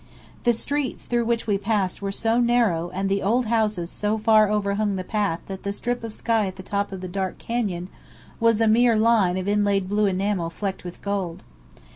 The streets through which we passed were so narrow, and the old houses so far overhung the path that the strip of sky at the top of the dark canyon was a mere line of inlaid blue enamel flecked with gold.